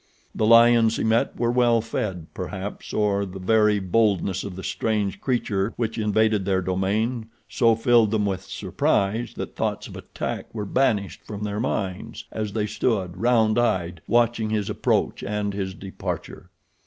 The lions he met were well fed, perhaps, or the very boldness of the strange creature which invaded their domain so filled them with surprise that thoughts of attack were banished from their minds as they stood, round eyed, watching his approach and his departure.